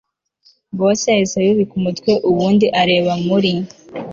Boss yahise yubika umutwe ubundi areba muri